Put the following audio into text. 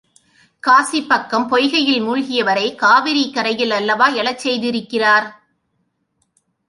Gossip பக்கம் பொய்கையில் மூழ்கியவரைக் காவிரிக் கரையில் அல்லவா எழச் செய்திருக்கிறார்.